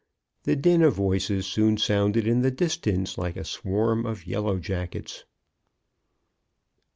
The din of voices soon sounded in the distance like a swarm of yellow jackets.